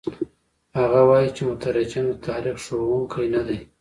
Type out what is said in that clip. هغه وايي چې مترجم د تاریخ ښوونکی نه دی.